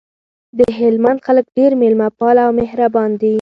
دهلمند خلګ ډیر میلمه پاله او مهربان دي